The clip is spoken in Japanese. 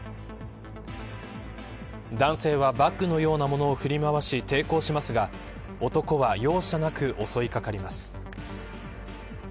男性はバッグのようなものを振り回し抵抗しますが男は容赦なく襲いかかります。